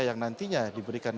yang nantinya diberikan